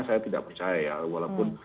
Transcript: saya tidak percaya ya walaupun